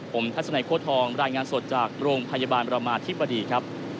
ผมทัศนัยโค้ทองรายงานสดจากโรงพยาบาลประมาธิบดีครับ